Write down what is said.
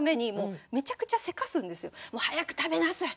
「もう早く食べなさい！